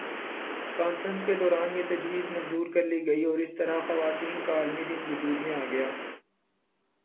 conference کے دوران یہ تجویز منظور کر لی گئی اور اس طرح خواتین کا عالمی دن وجود میں آگیا